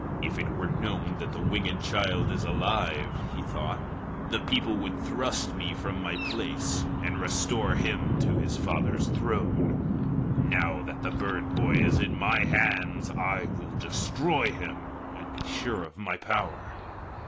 "If it were known that the winged child is alive," he thought, "the people would thrust me from my place, and restore him to his father's throne. Now that the bird boy is in my hands, I will destroy him, and be sure of my power."